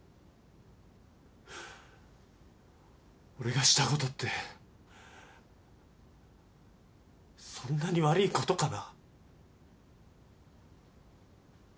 俺がしたことってそんなに悪ぃことかな？